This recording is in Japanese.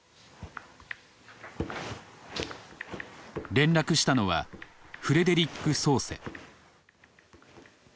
連絡したのはフレデリック・ソーセ。